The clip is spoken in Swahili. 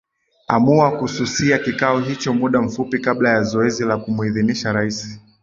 amua kususia kikao hicho muda mfupi kabla ya zoezi la kumuidhinisha rais